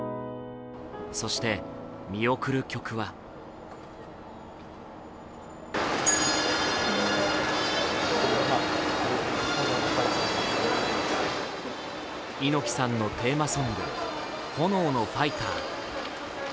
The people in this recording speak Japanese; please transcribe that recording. そして、見送る曲は猪木さんのテーマソング「炎のファイター」。